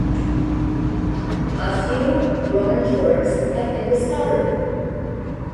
A few Roman torcs have been discovered.